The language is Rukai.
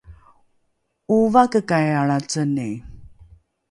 ’ovakekai alraceni?